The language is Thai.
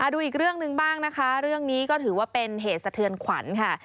ดูอีกเรื่องหนึ่งบ้างนะคะเรื่องนี้ก็ถือว่าเป็นเหตุสะเทือนขวัญค่ะ